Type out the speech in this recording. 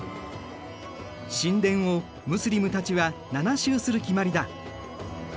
神殿をムスリムたちは７周する決まりだ。